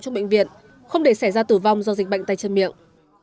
trong bệnh viện không để xảy ra tử vong do dịch bệnh tay chân miệng